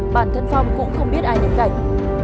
bản thân phong cũng không biết ai ném gạch